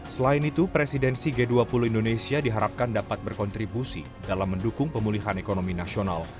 selain itu presidensi g dua puluh indonesia diharapkan dapat berkontribusi dalam mendukung pemulihan ekonomi nasional